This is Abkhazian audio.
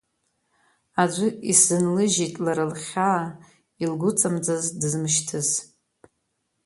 Аӡәы исзынлыжьит лара лхьаа, илгәыҵамӡаз дызмышьҭыз.